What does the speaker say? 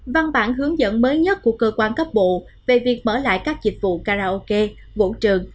văn bản hướng dẫn mới nhất của cơ quan cấp bộ về việc mở lại các dịch vụ karaoke vũ trường